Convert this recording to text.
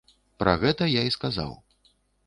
Пра гэта я і сказаў.